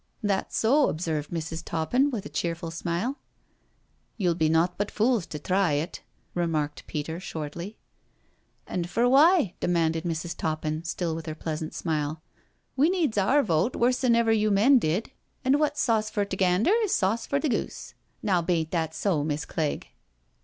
" That's so," observed Mrs. Toppin with a cheerful smile. " You'll be nought but fools to thry it," remarked Peter shortly. "And for why?" demanded Mrs. Toppin, still with her pleasant smile. " We needs our vote worse 'n ever you men did, and wots sauce for t 'gander is sauce for the goose. Now hain't that so, Miss' Clegj